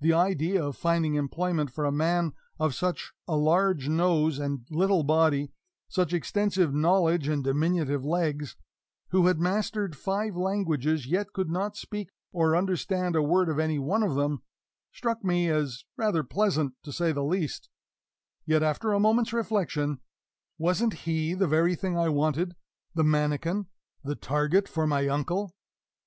The idea of finding employment for a man of such a large nose and little body, such extensive knowledge and diminutive legs who had mastered five languages yet could not speak or understand a word of any one of them, struck me as rather pleasant, to say the least; yet, after a moment's reflection wasn't he the very thing I wanted, the manikin, the target for my uncle?